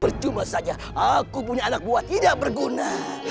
percuma saja aku punya anak buah tidak berguna